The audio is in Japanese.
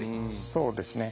そうですね。